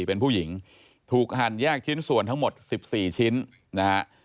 เป็นผู้หญิงถูกหั่นแยกชิ้นส่วนทั้งหมด๑๔ชิ้นนะฮะ